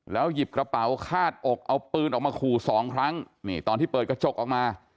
หยิบกระเป๋าคาดอกเอาปืนออกมาขู่สองครั้งนี่ตอนที่เปิดกระจกออกมา